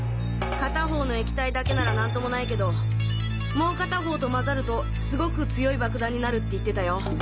片方の液体だけなら何ともないけどもう片方と混ざるとすごく強い爆弾になるって言ってたよ。